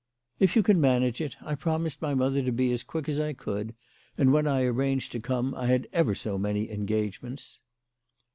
"If you can manage it. I promised my mother to be as quick as I could ; and, when I arranged to come, I had ever so many engagements."